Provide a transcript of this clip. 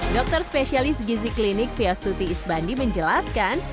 dokter spesialis gizi klinik fias tuti isbandi menjelaskan